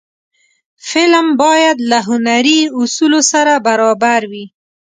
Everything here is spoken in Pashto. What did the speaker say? فلم باید له هنري اصولو سره برابر وي